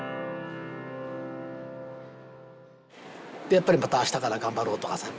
やっぱりまた明日から頑張ろうとかさ。